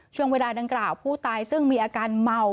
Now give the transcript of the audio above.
ช่วงเวลาดังกล่าวผู้ตายซึ่งมีอาการเมา